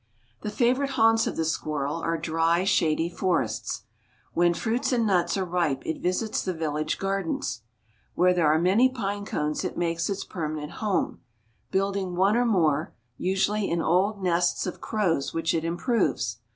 The favorite haunts of the squirrel are dry, shady forests. When fruits and nuts are ripe it visits the village gardens. Where there are many pine cones it makes its permanent home, building one or more, usually in old nests of crows which it improves.